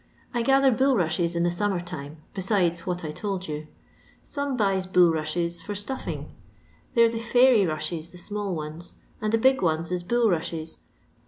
I gather bulrushes in the summertime, besides what I told yon; some buys bulrushes for stufiing; they're the foiry rushes the small ones, and the big ones is bulrushes.